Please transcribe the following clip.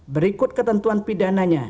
berikut ketentuan pidananya